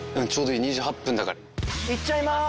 行っちゃいます！